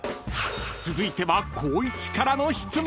［続いては］